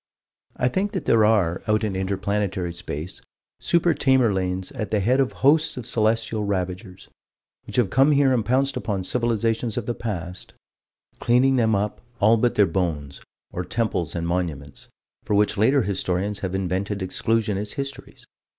I think that there are, out in inter planetary space, Super Tamerlanes at the head of hosts of celestial ravagers which have come here and pounced upon civilizations of the past, cleaning them up all but their bones, or temples and monuments for which later historians have invented exclusionist histories.